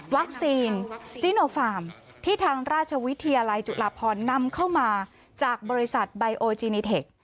ซีโนฟาร์มที่ทางราชวิทยาลัยจุฬาพรนำเข้ามาจากบริษัทไบโอจินิเทค